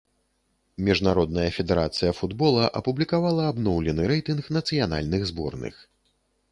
Міжнародная федэрацыя футбола апублікавала абноўлены рэйтынг нацыянальных зборных.